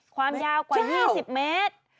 ความยาวกว่า๒๐เมตร